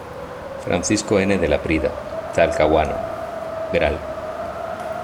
Francisco N. de Laprida; Talcahuano; Gral.